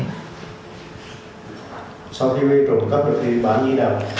sau khi trộm cắp được thì bán nhi đồng